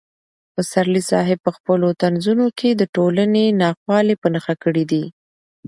پسرلي صاحب په خپلو طنزونو کې د ټولنې ناخوالې په نښه کړې دي.